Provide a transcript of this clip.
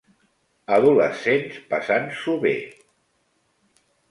Adolescents passant-s'ho bé.